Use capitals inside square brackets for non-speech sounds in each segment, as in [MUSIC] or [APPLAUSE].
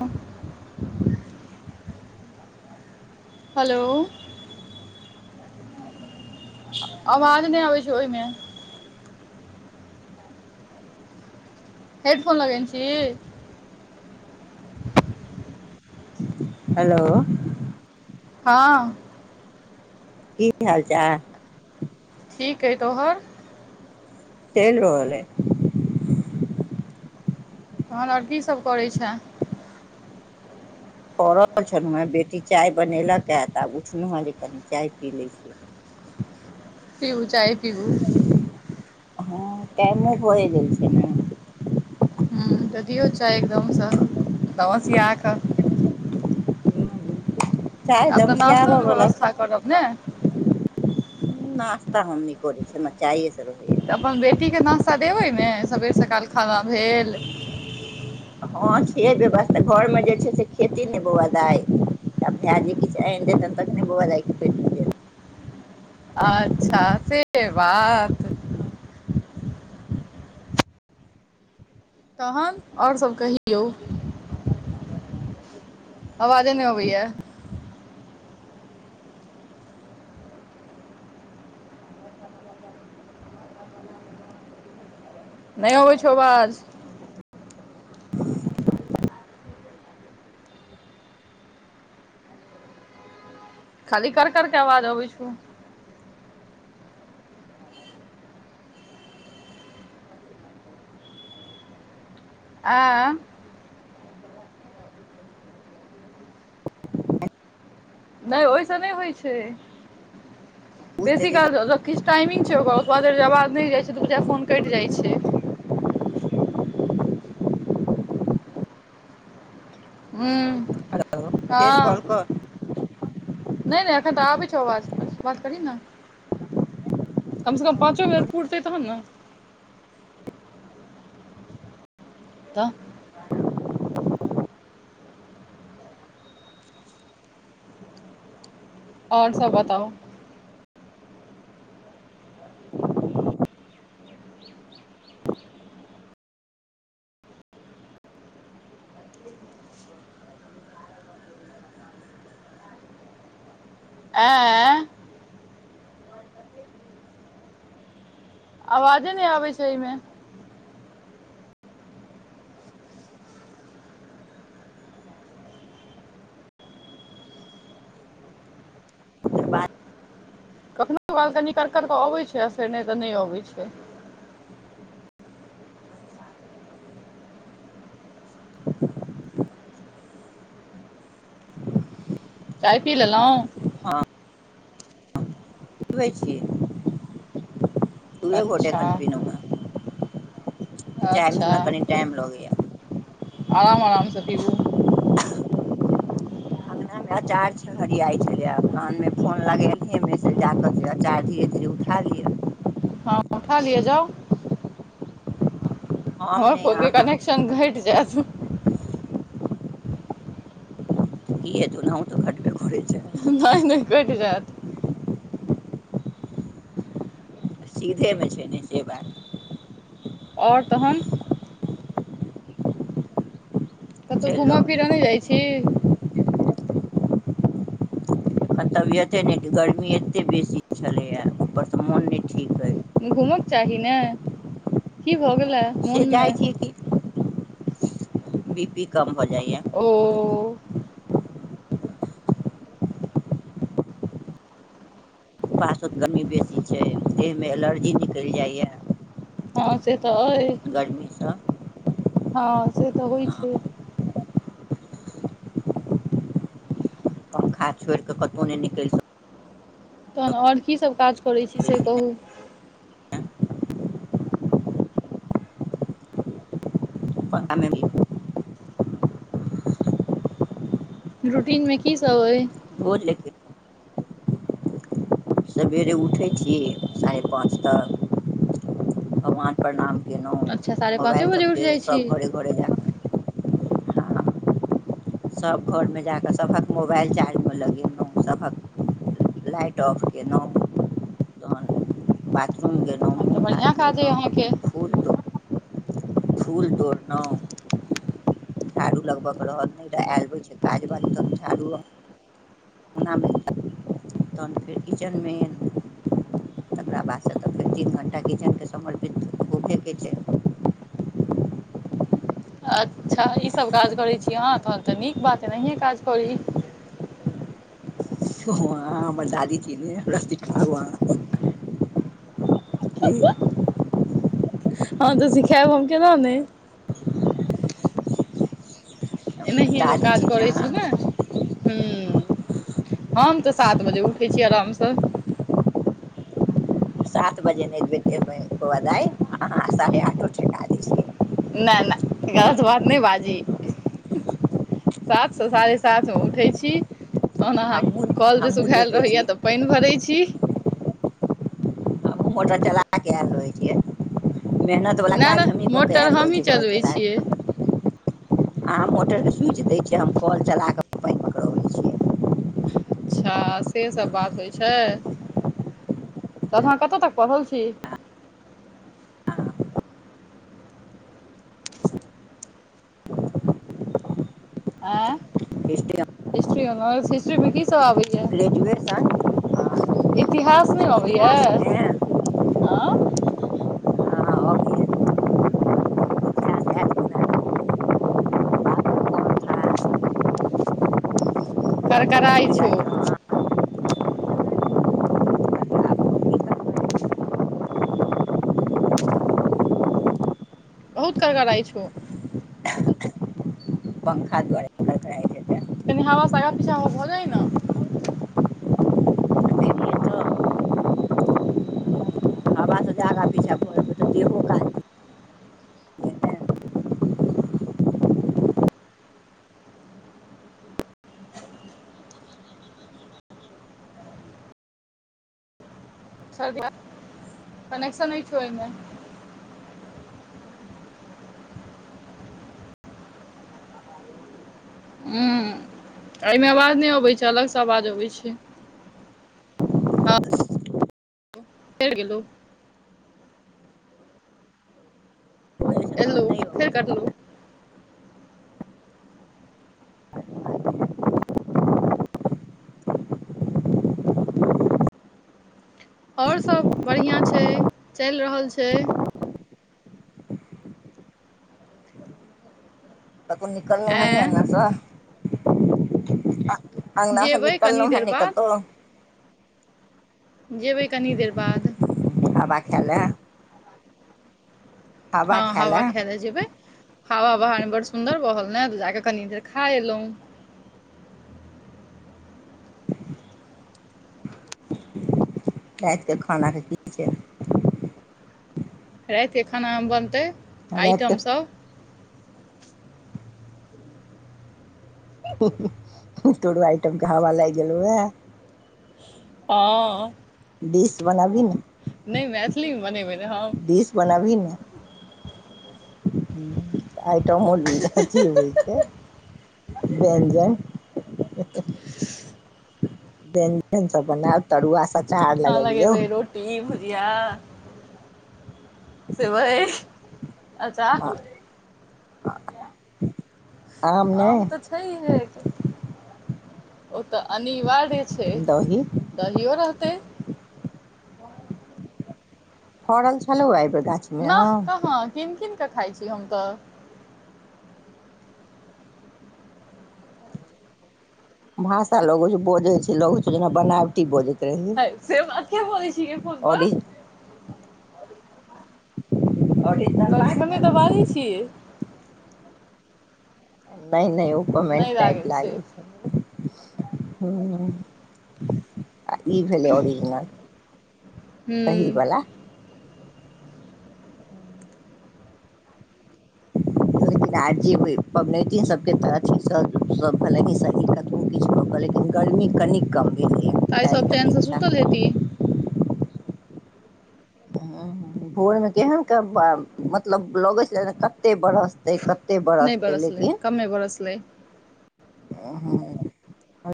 ओ hello आवाज नहि आबै छै ओहिमे हेडफोन लगेने छी हेलो हँ की हाल चाल ठिक छइ तोहर चेल रहल एय तहन आर कीसभ करै छै पड़ल छलहुँ हैं बेटी चाय बनेलक हे तऽ आब उठलहु हैं जे कनी चाय पी लैत छीय पीबू चाय पीबू हँ टाइमो बढ़े देल छै ने ह्म तऽ दियौ चाह एकदमसँसिया कऽ चाय आब तऽ नास्तो दमसियाबऽ के बला व्यवस्था करब ने नास्ता हमनइ कर छै हमरा चाय तऽ अपन बेटीकेँ नाश्ता देबै ने सवेर सकाल खाना भेल हँ छ व्यवस्था घरमे जे छै से खेती नहि बुउआ दाइ त भ्य जे किछ आ देन तने बे सेबात तहन ओरसभ कहियौ आवाजे नहि आबैया नहि आबैछौ आवाज खाली कर कर के आवाज आबैछो आ नहि ओहिसँ नहि होइ छै बेसी बुझतै जे काल किछ टाइमिंग छै ओकर ादर आवाज नहि जाइ छै तऽ पा फोन कटि जाइ छै हू हेलो फेर कॉल कर नहि नहि अखन तऽ आबी छौ आवाज ब बात करही न कम से कम हँ पाँचव मिनट पुरतै तहन ने तऽ आओर सब बताउ ऐं आवाजे नहि आबै छै एहिमे तकर बाद कखनो काल कनि क कर कऽ अबैत छै आ फेर नहि तऽ नहि अबैत छै चाय पी लेलउ हँ पीबै छिय दूए घोट अच्छा अखन पीलहुँ ह जाायमे अच्छा न कनि टाइम लगैया आराम आरामसँ पीबू अंगना मे अचार हरिया छले कान मे फोन लगेनेे मे से जाके अचार धीरे धीरे जे उठा लिअ हँ उठा लिअ जाउ हम हमर नहि फोन के अहाँ कनेक्शन घट जैत किएत ओनाहुं तऽ घाटबे करे छै नहि नहि कटे जायत सीधेमे छै ने से बात आओर तहन कतउ चलि घूम रहल फिरऽ अइ नहि जाइ छी तबियते ने गर्मी एते बेसी छलेया ऊपर से मोन ने ठीक रह घूमक चाही ने की भऽ गेलै से मोनमे जाइ छी कि बी पी कम भ जाइया ओ पासत गर्मी बेसी छै देहमे एलर्जी निकल जाइए हँ से तऽ अए हँ से तऽ होइ हँ छै पँखा छोड़िकऽ कतहु नहि निकलि सक तहन आओर कीसभ काज करै छी सकै से ने कहू पअनिली रूटीन मे की सब हइ बोल लेके सवेरे उठै छी साढ़े पाँच तक भगवान प्रणाम कलहुँ अच्छा साढ़े पाँचे मोबाइल बजे उठि सबके जाइ छी सब घरे घरे जाकऽ सभ घरमे जा कऽ सभक मोबाइल चार्जमे लगेलहुँ सभक लाइट ऑफ केलहुँ तहन बाथरूम गेलहु हमन तऽ बढ़िआँ काज अइ अहाँके तोड़ फूल तोड़नाहु झाारू लगभग रहत नहि रहऽ आयलबै छै काज बाज तऽ झाड़ू मे तऽन फेर किचनमे तकरा बादसँ तऽ फेर तीन घण्टा किचनके समर्पित होबयके छै [INAUDIBLE] अच्छा ईसभ काज करै छी हाँ तहन तऽ नीक बात नहिए काज करी वहाँ हमर दादीजी ने हमरा सिखाउ अहाँ की हँ त सीखायब हम केना ने एना हमर हिय तो दादी काज छी करै छै ने अहाँ ह्म हम तऽ सात बजे उठै छी आरामसँ सात बजे नहि देबैट बादइ अहाँ साढ़े आठो ठेका दै छियै नहि नहि गलत बात नहि बाजी सातसँ साढ़े सातमे उठै छी तहन अहाँ हमहूँ के कल जे हमहूँ सुखायल देखै छी रहैया तऽ पाइन भरै छी मोटर चला कऽ आयल रहइ छै मेहनतवला नहि काज नहि हमहीँ कऽ कऽ मोटर आयल रहै हमही छियै कोल चलबै चला छियै कऽ आ मोटर के स्विच देय छ हम कॉल चला के पाइन अच्छा सेसभ बात होइ छै त अहां कत्त तक पढ़ल छी आ हिस्ट्री हिस्ट्री आनर्स हिस्ट्रीमे की सब आबैया ग्रेजुएशन इतिहास नहि अबैया इतिहासमे ह अभी इतिहास हैत जेना बाबा राम था करकराइ छौ पृथ्वीराज चौहान बहुत करड़कड़ाइ छौ पंखा द्वारा एनि हावा श अगा पिछा हो होऽ जा न एखन तऽ हवासँ जे आगाँ पीछाँ भऽ जेबै तऽ देहो काज नहि कनेकशन नइ छउ अइमे ह एहिमे आवाज नहि अबैत छै अलगसँ आवाज अबैत छै तेर किलो होइए ने ओहिसँ एलू तहन नहि फेर अबैत कटलू छै और सब बढ़िया छै चलि रहल छै कतहु निकलल है नै एँ अंगनासँ अंगनसं जेबै कनी निकललौ हंए देर नै बाद कतौ जेबै कनी देर बाद हवा खाएला हँ हावा खाएला जेबै हावा बहारमे बड सुन्दर बहल ने तऽ जाकऽ कनी देर खा एलहुँ राति के खानाके की छै रातिकेँ खानामे बनतै रातिके आइटमसभ तोरो आइटमके हवा लागि गेलउए हं डिश बनाबी ने नहि मैथिली बनेबै ने हम हू आइटम आओर की कथी होइ छै व्यंजन व्यंजन सब बनाब तरुआ स अचार हं लगबियौ लगेबइ रोटी भूजीया सेबय अचार अ आम तऽ छै हे ओ तऽ अनिवार्य छै दही दहियो रहतै [UNINTELLIGIBLE] फरल छलउए अइबेर नह कहाँ कीन कीन कऽ खाइ छी हम तऽ भाषा लगै छै बजै छै लोग जेना बनावटी बजै हय से बात किया बोलइ छी गे फोनप ओरि ओर [UNINTELLIGIBLE] तोरी मम्मी दबा दै छियै नहि नहि ओ कमेंट नहि लागै टाइप लागे छै हुँ आ ई भेलै ओरिजिनल हूँ सही बला ह [INAUDIBLE] िन आ जे पबनैतीन सबके गरमी कनी कम त भेलैए आइसब काल्हिके चैन से अपेक्षा सुतल हेती ह भोर मे केहन मतलब लगै छल कते बरसतै कते नहि बरसतै बरसलै लेकिन कमे बरसलै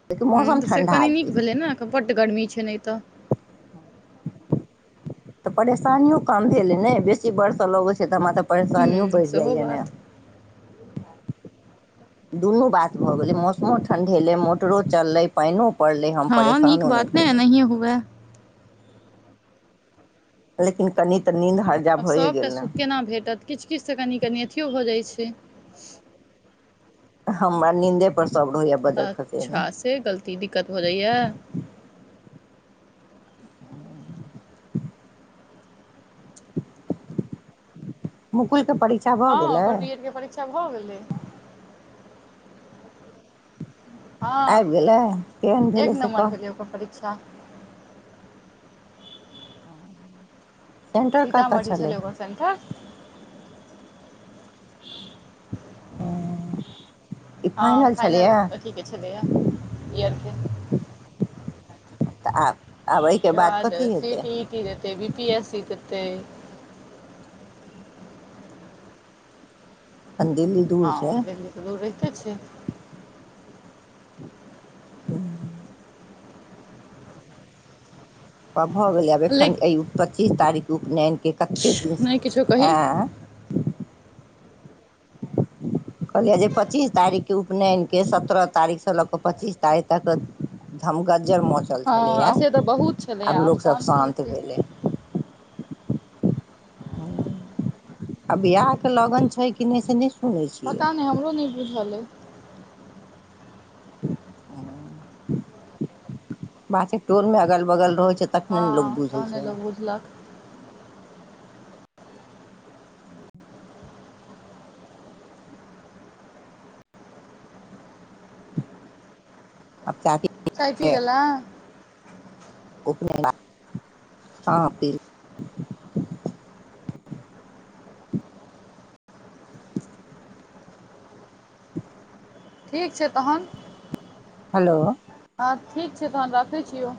[UNINTELLIGIBLE] हँ तऽ से ठण्डा कनी नीक गेल भेलै ने बड्ड गर्मी छै नहि तऽ [INAUDIBLE] तऽ परेशानीयों कम भेलै ने बेसी बरस' लगै छै त हमा तऽ हूँ परेशानीयों बढ़ि सेहो जाइया ने बात दुनू बात भऽ गेलै मौसमो ठण्ढेलै मोटरो चललै पाइनो पढ़ ले हम हँ नीक परेशान हो नहि बात एनाहिए छी हुए लेकिन कनिक आब सभटा सुख केना भेटत किछु किछु त कनि कनि अथियओ भऽ जाइ छै हमर नींदे पड़ अच्छा से गलती दिक्कत भऽ जाइया मु कोइ हँ ओकर बी एड के परीक्षा भऽ गेलै हँ आबि गेलै केहन एक भेलै से नमबर कह भरी ओ को परीक्षा ह ह [INAUDIBLE] सीतामढ़ी छल ल बसन्ठ ओ हँ फाइनल अथीके छलैए ईयरके तऽ आ सी टी इटरत बि पी एस इत तइ एखन दिल्ली दूर छै हँ दिल्ली तऽ दूर रहिते छै ह भऽ गेलै आब एखन लेकिन एहि पच्चीस तारीखके उपनयन के कतेक दिनस नहि किछो कही आँय [INAUDIBLE] कहलियै जे पच्चीस तारीखकेँ उपनयनके सत्रह तारीखसँ लऽ कऽ पच्चीस तारीख तक धमगज्जर मचल छलैए हँ से तऽ बहुत छलैए आब लोकसभ शान्ति शान्त हेतै भेलै आ बियाह के लगन छै कि नहि सुनै छियै पता नहि हमरो नहि बुझल अै बात टोल मे अगल बगल रोहछै तखने हँ ने लोक बुझै तहने छै लोक बुझलक अब चटी चइतिलल हँ [INAUDIBLE] [INAUDIBLE] [INAUDIBLE] ठीक छै तहन हेलो हँ ठीक छै तहन राखै छियौ